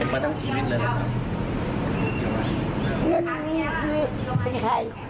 เป็นใครก็กล้วยด้วยทะลุมึง